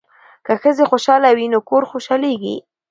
که ښځې خوشحاله وي نو کور خوشحالیږي.